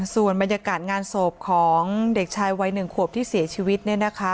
ส่วนบรรยากาศงานศพของเด็กชายวัย๑ขวบที่เสียชีวิตเนี่ยนะคะ